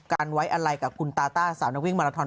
ไว้อะไรกับคุณตาต้าสาวนักวิ่งมาราทอน